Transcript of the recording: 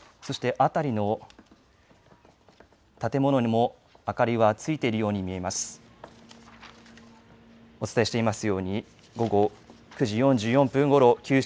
そしてあたりの建物にも明かりはついているように見えます。